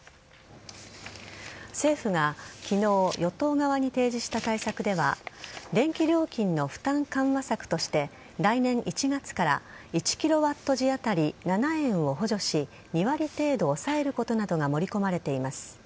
政府が昨日、与党側に提示した対策では電気料金の負担緩和策として来年１月から１キロワット時当たり７円を補助し２割程度抑えることなどが盛り込まれています。